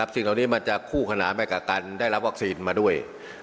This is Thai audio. สิ่งเหล่านี้มันจะคู่ขนานไปกับการได้รับวัคซีนมาด้วย